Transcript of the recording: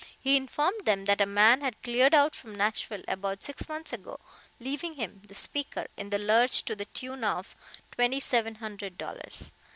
He informed them that a man had cleared out from Nashville about six months ago, leaving him, the speaker, in the lurch to the tune of twenty seven hundred dollars.